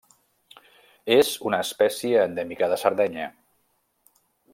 És una espècie endèmica de Sardenya.